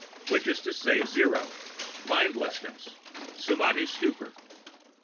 Which is to say zero, mindlessness, Samadhi, stupor.